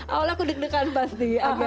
awalnya aku deg degan pasti